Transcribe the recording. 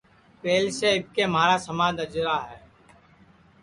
پہلیس اِٻکے مھارا سماج اجرا ہے